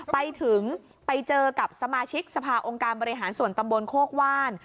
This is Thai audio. ไปถึงไปเจอกับสมาชิกสภาองค์การบริหารส่วนตำบลโคกว่าน